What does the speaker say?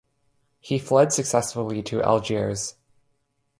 He fled successfully to Algiers.